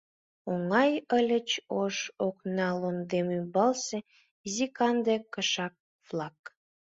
Оҥай ыльыч ош окналондем ӱмбалсе изи канде кыша-влак.